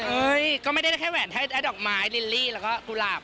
เอ้ยก็ไม่ได้แค่แหวนแค่ดอกไม้ลิลลี่แล้วก็กุหลาบ